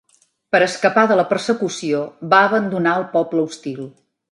Per escapar de la persecució, va abandonar el poble hostil.